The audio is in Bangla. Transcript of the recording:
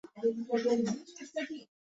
সত্যজিৎ রায় নিজেই এর চিত্রনাট্য লিখেছিলেন।